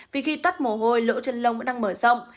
vì khi toát mồ hôi lỗ chân lông cũng đang mở rộng